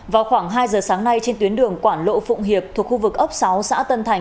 vào khoảng hai giờ sáng nay trên tuyến đường quảng lộ phụng hiệp thuộc khu vực ấp sáu xã tân thành